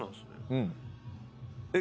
うん。えっ！？